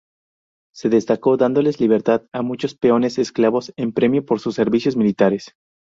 Se destacó dándoles libertad a muchos peones esclavos en premio por sus servicios militares.